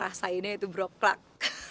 rasainnya itu broklak